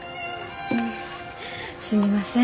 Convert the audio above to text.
んすみません。